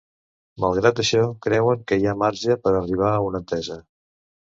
Malgrat això creuen que hi ha ‘marge’ per arribar a una entesa.